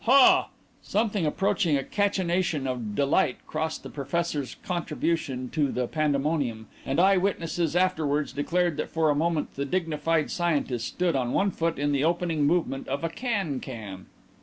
Hah!" Something approaching a cachinnation of delight closed the professor's contribution to the pandemonium, and eyewitnesses afterwards declared that for a moment the dignified scientist stood on one foot in the opening movement of a can can.